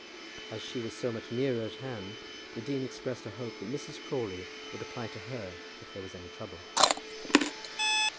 As she was so much nearer at hand, the dean expressed a hope that Mrs. Crawley would apply to her if there was any trouble.